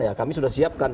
ya kami sudah siapkan